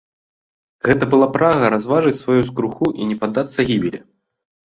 Гэта была прага разважыць сваю скруху і не паддацца гібелі.